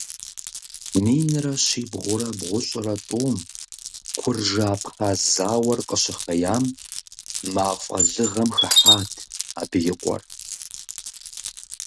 Минрэ щибгъурэ бгъущӀрэ тӀум, куржы-абхъаз зауэр къыщыхъеям, мафӀэ лыгъэм хыхьат абы и къуэр.